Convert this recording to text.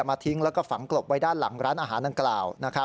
ทิ้งแล้วก็ฝังกลบไว้ด้านหลังร้านอาหารดังกล่าว